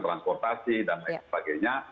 transportasi dan lain sebagainya